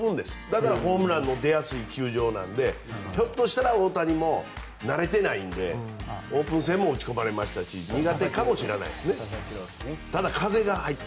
だからホームランの出やすい球場なのでひょっとしたら佐々木も慣れていないんでオープン戦も打ち込まれましたし苦手かもしれないですね。